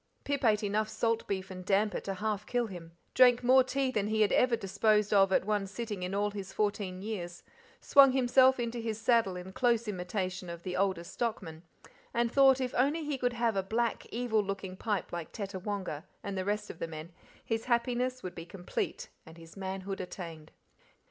Pip ate enough salt beef and damper to half kill him, drank more tea than he had ever disposed of at one sitting in all his fourteen years, swung himself into his saddle in close imitation of the oldest stockman, and thought if he only could have a black, evil looking pipe like Tettawonga and the rest of the men his happiness would be complete and his manhood attained.